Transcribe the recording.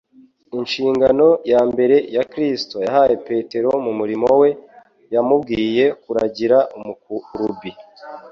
Inshingano ya mbere Kristo yahaye Petero mu murimo we yamubwiye kuragira umukurubi.